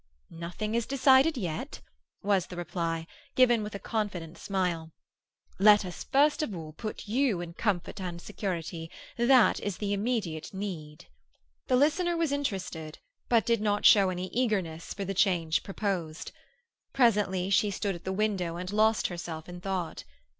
"Nothing is decided yet," was the reply, given with a confident smile. "Let us first of all put you in comfort and security; that is the immediate need." The listener was interested, but did not show any eagerness for the change proposed. Presently she stood at the window and lost herself in thought.